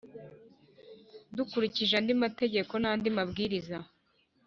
Dukurikije andi mategeko n andi mabwiriza